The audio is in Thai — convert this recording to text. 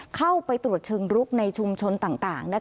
เข้าไปตรวจเชิงรุกในชุมชนต่าง